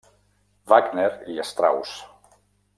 Wagner i Strauss.